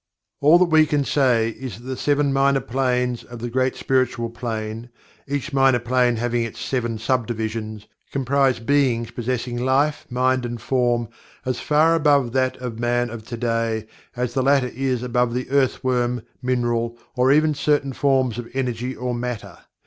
All that we can say is that the Seven Minor Planes of the Great Spiritual Plane (each Minor Plane having its seven sub divisions) comprise Beings possessing Life, Mind and Form as far above that of Man of to day as the latter is above the earth worm, mineral or even certain forms of Energy or Matter.